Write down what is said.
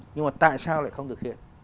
nhưng mà tại sao lại không thực hiện